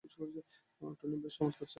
Tony বেশ চমৎকার ছেলে।